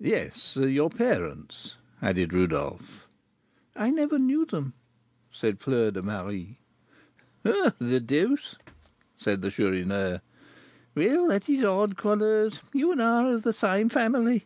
"Yes; your parents?" added Rodolph. "I never knew them," said Fleur de Marie. "The deuce!" said the Chourineur. "Well, that is odd, Goualeuse! you and I are of the same family."